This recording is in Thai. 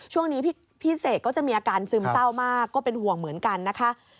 ช่วงนี้พี่เสกก็จะมีอาการซึมเศร้ามากก็เป็นห่วงเหมือนกันนะคะ